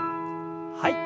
はい。